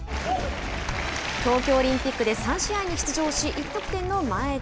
東京オリンピックで３試合に出場し１得点の前田。